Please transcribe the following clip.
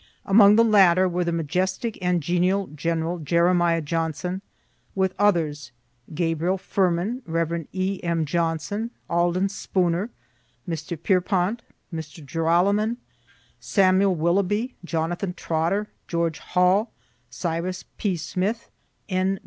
Among the latter were the majestic and genial General Jeremiah Johnson, with others, Gabriel Furman, Rev. E. M. Johnson, Alden Spooner, Mr. Pierrepont, Mr. Joralemon, Samuel Willoughby, Jonathan Trotter, George Hall, Cyrus P. Smith, N.